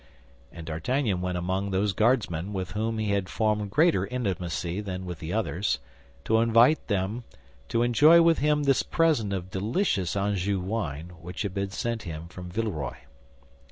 And D'Artagnan went among those Guardsmen with whom he had formed greater intimacy than with the others, to invite them to enjoy with him this present of delicious Anjou wine which had been sent him from Villeroy.